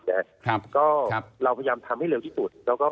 แต่ก็เราพยายามทำให้เร็วที่สุด